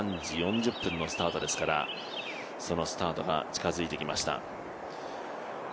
３時４０分のスタートですから、近づいてきました。